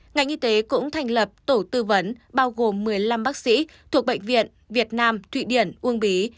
ngành y tế cũng thành lập tổ tư vấn bao gồm một mươi năm bác sĩ thuộc bệnh viện việt nam thụy điển uông bí